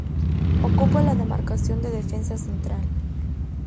Ocupa la demarcación de defensa central.